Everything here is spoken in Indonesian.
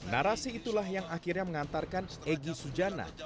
narasi itulah yang akhirnya mengantarkan egy sujana